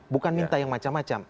bukan minta yang macam macam